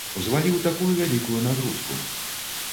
Узваліў такую вялікую нагрузку.